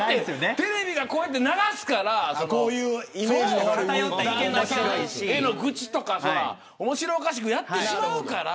テレビがこうやって流すから旦那さんへの愚痴とか面白おかしくやってしまうから。